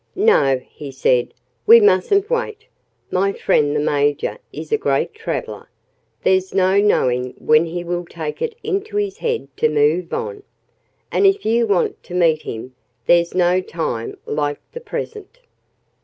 "No!" he said. "We mustn't wait. My friend the Major is a great traveller. There's no knowing when he will take it into his head to move on. And if you want to meet him there's no time like the present."